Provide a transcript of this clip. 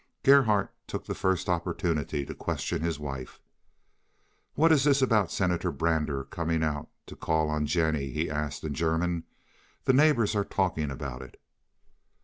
Gerhardt took the first opportunity to question his wife. "What is this about Senator Brander coming out to call on Jennie?" he asked in German. "The neighbors are talking about it."